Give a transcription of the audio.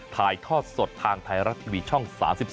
ถ่ายทอดสดทางไทยรัฐทีวีช่อง๓๒